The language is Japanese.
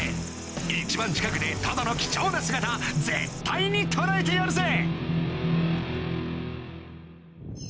一番近くでトドの貴重な姿絶対に捉えてやるぜ！